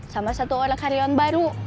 sama satu orang karyawan baru